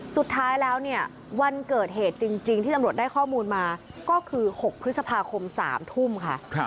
สุดท้ายแล้วเนี่ยวันเกิดเหตุจริงที่ตำรวจได้ข้อมูลมาก็คือ๖พฤษภาคม๓ทุ่มค่ะ